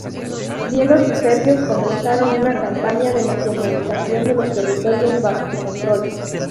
Griegos y serbios comenzaron una campaña de nacionalización de los territorios bajo su control.